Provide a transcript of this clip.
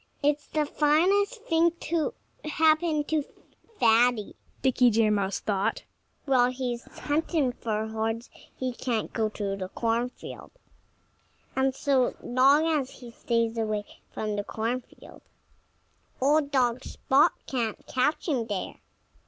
"It's the finest thing that could happen to Fatty," Dickie Deer Mouse thought. "While he's hunting for horns he can't go to the cornfield. And so long as he stays away from the cornfield, old dog Spot can't catch him there."